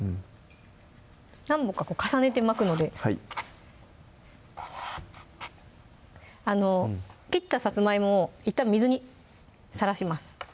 何本かこう重ねて巻くので切ったさつまいもをいったん水にさらします